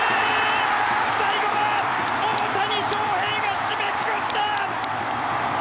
最後は大谷翔平が締めくくった！